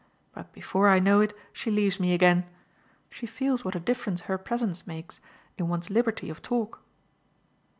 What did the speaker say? But before I know it she leaves me again: she feels what a difference her presence makes in one's liberty of talk."